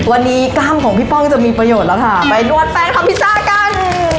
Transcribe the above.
วันนี้กล้ามของพี่ป้องจะมีประโยชน์แล้วค่ะไปนวดแป้งทำพิซซ่ากัน